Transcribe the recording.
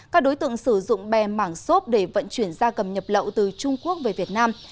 các đối tượng sử dụng bè mảng xốp để vận chuyển gia cầm nhập lậu từ trung quốc về việt nam